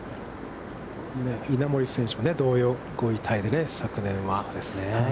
稲森選手も同様、５位タイで、昨年は。